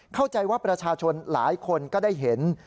เข้าใจว่าประชาชนหลายคนก็ได้เห็น